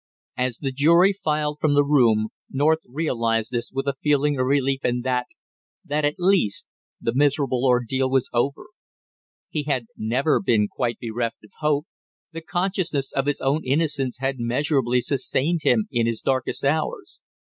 As the jury filed from the room North realized this with a feeling of relief in that that at last the miserable ordeal was over. He had never been quite bereft of hope, the consciousness of his own innocence had measurably sustained him in his darkest hours.